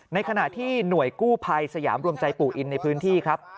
ในขณะที่หน่วยกู้ภัยสยามรวมใจปู่อินในพื้นที่ครับ